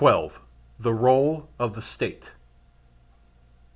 The R├┤le of the State.